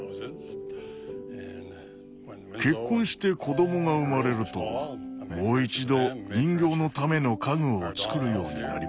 結婚して子どもが生まれるともう一度人形のための家具を作るようになりました。